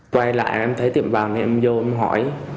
quay lại em thấy tiệm vàng em vô em hỏi